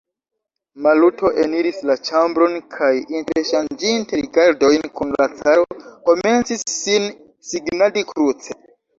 Maluto eniris la ĉambron kaj, interŝanĝinte rigardojn kun la caro, komencis sin signadi kruce.